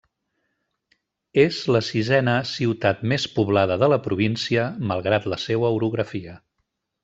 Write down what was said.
És la sisena ciutat més poblada de la província malgrat la seua orografia.